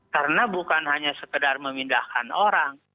karena bukan hanya sekedar memindahkan orang